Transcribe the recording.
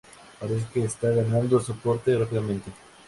Parece que está ganando soporte rápidamente".